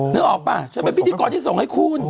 นึกออกป่ะฉันเป็นพิธีกรที่ส่งให้คุณ